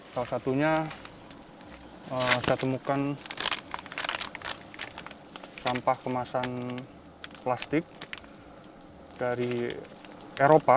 salah satunya saya temukan sampah kemasan plastik dari eropa